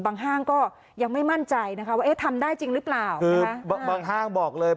ห้างก็ยังไม่มั่นใจนะคะว่าเอ๊ะทำได้จริงหรือเปล่าบางห้างบอกเลย